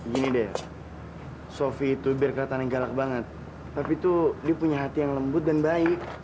gini deh sofi itu biar kelihatannya galak banget tapi tuh dia punya hati yang lembut dan baik